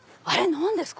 何ですか？